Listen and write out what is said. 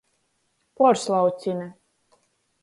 Puorslaucine.